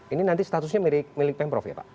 ini nanti statusnya milik pemprov ya pak